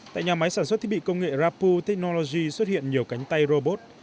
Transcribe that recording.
thiết bị công nghệ rappu technology xuất hiện nhiều cánh tay robot